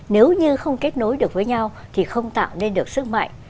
nếu như không kết nối được với nhau thì không tạo nên được sức mạnh